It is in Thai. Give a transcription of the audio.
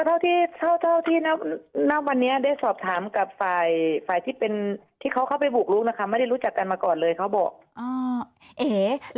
เท่าที่เท่าเท่าที่ณวันนี้ได้สอบถามกับฝ่ายที่เป็นที่เขาเข้าไปบุกลุกนะคะไม่ได้รู้จักกันมาก่อนเลยเขาบอก